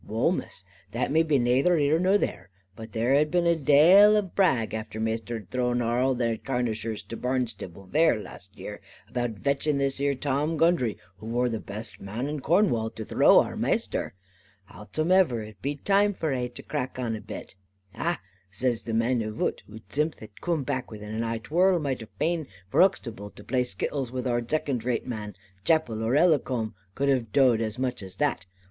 "Wull, Miss, that be nayther here nor there. But there had been a dale of brag after Maister had thrown arl they Carnishers to Barnstable vair, last year, about vetching this here Tom Gundry, who wor the best man in Cornwall, to throw our Maister. Howsomever, it be time for ai to crack on a bit. 'Ah,' zays the man avoot, who zimth had coom to back un, 'ah, 'twor arl mighty faine for Uxtable to play skittles with our zecond rate men. Chappell or Ellicombe cud have doed as much as that.